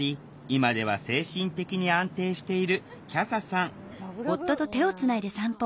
今では精神的に安定しているきゃささんラブラブ。